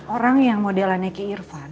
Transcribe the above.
orang yang modelannya ke irfan